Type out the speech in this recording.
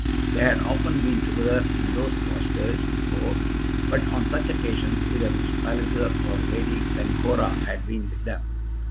They had often been together in those cloisters before, but on such occasions either Mr. Palliser or Lady Glencora had been with them.